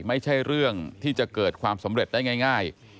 ไม่ใช่เรื่องที่จะเกิดความสำเร็จได้ง่าย